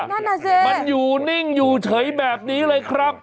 มันอยู่นิ่งอยู่เฉยแบบนี้เลยครับ